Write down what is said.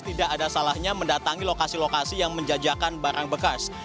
tidak ada salahnya mendatangi lokasi lokasi yang menjajakan barang bekas